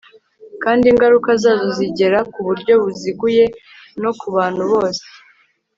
kandi ingaruka zazo zigera ku buryo buziguye no ku bantu bose